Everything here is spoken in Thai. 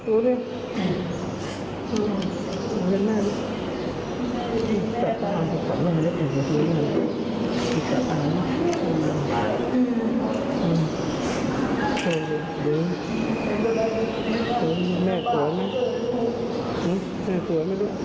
อืนแม่สวยไหมเนี้ยสวยไหมลูก